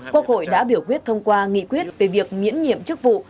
quốc hội đã biểu quyết thông qua nghị quyết về việc miễn nhiệm chức vụ